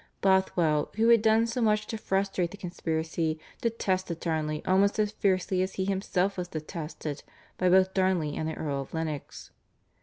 Bothwell, who had done so much to frustrate the conspiracy, detested Darnley almost as fiercely as he himself was detested by both Darnley and the Earl of Lennox.